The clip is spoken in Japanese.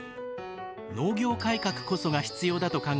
農業改革こそが必要だと考え